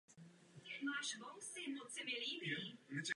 Spony se rozdělují na spony pro plastové pásky a spony pro ocelové pásky.